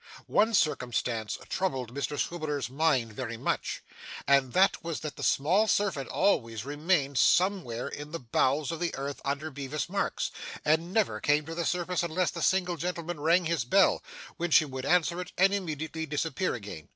One circumstance troubled Mr Swiveller's mind very much, and that was that the small servant always remained somewhere in the bowels of the earth under Bevis Marks, and never came to the surface unless the single gentleman rang his bell, when she would answer it and immediately disappear again.